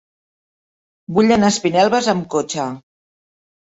Vull anar a Espinelves amb cotxe.